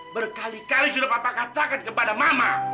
berkali kali sudah bapak katakan kepada mama